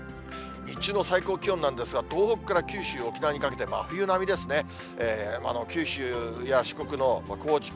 日中の最高気温なんですが、東北から九州、沖縄にかけて、真冬並みですね。